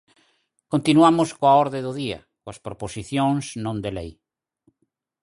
Continuamos coa orde do día, coas proposicións non de lei.